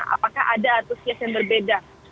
apakah ada antusias yang berbeda